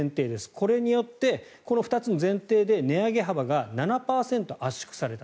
これによってこの２つの前提で値上げ幅が７％圧縮された。